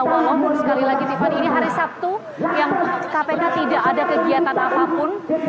walaupun sekali lagi tiffany ini hari sabtu yang kpk tidak ada kegiatan apapun